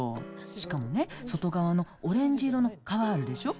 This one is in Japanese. しかもね、外側のオレンジ色の皮あるでしょ？